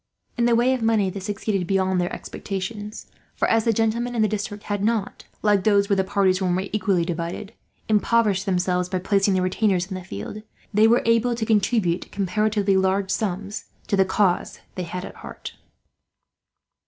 In the way of money they succeeded beyond their expectations for, as the gentlemen in the district had not, like those where the parties were more equally divided, impoverished themselves by placing their retainers in the field, they were able to contribute comparatively large sums to the cause they had at heart.